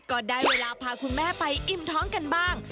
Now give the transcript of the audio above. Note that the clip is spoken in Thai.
ก็ได้เวลาพาคุณแม่ไปอิ่มท้องกันบ้าง